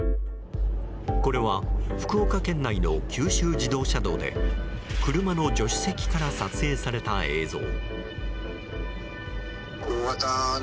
これは福岡県内の九州自動車道で車の助手席から撮影された映像。